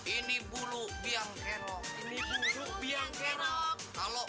ini bulu biang kerok ini bukut biang kerok kalau